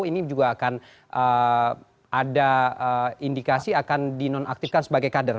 ini juga akan ada indikasi akan dinonaktifkan sebagai kader